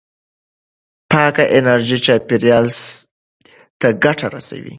پاکه انرژي چاپېریال ته ګټه رسوي.